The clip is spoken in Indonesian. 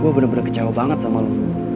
gue bener bener kecewa banget sama lo